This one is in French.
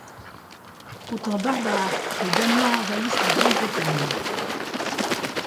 Aux temps barbares, des Danois envahissent la Grande-Bretagne.